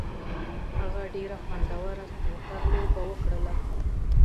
هغه ډېره خوندوره سنوکر لوبه وکړله.